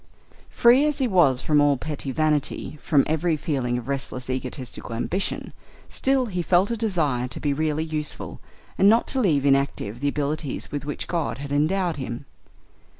Free as he was from all petty vanity, from every feeling of restless, egotistical ambition, still he felt a desire to be really useful, and not to leave inactive the abilities with which God had endowed him.